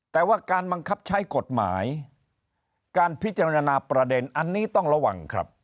แต่ว่าการบังคับใช้กฎหมายการพิจารณาประเด็นอันนี้ต้องระวังครับ